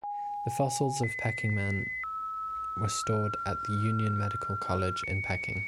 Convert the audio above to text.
The fossils of Peking Man were stored at the Union Medical College in Peking.